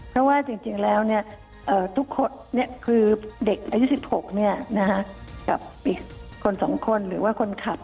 เพราะว่าจริงแล้วทุกคนคือเด็กอายุ๑๖กับอีกคน๒คนหรือว่าคนขับ